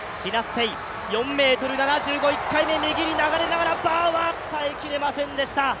４ｍ７５、１回目、右に流れながら、バーは耐えきれませんでした。